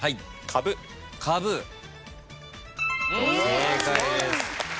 正解です。